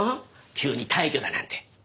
急に退去だなんて。